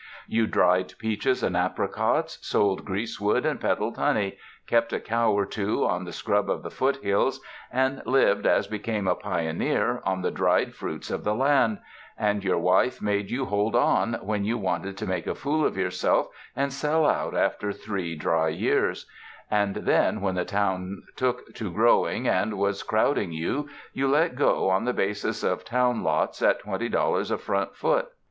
You dried peaches and apricots, sold greasewood and peddled honey, kept a cow or two on the scrub of the foothills, and lived, as be came a pioneer, on the dried fruits of the land ; and your wife made you hold on when you wanted to make a fool of yourself and sell out after three dry years ; and then when the town took to growing and was crowding you, you let go on the basis of town lots at twenty dollars a front foot."